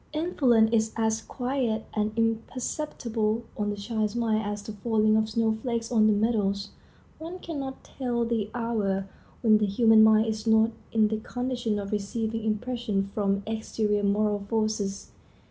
Influence is as quiet and imperceptible on the child's mind as the falling of snowflakes on the meadows. One can not tell the hour when the human mind is not in the condition of receiving impressions from exterior moral forces.